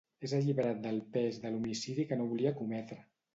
És alliberat del pes de l'homicidi que no volia cometre.